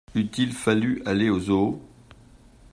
Eût-il fallu aller au zoo?